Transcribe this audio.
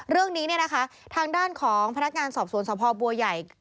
เรื่องนี้เนี่ยนะคะทางด้านของพนักงานสอบสวนสภบัวใหญ่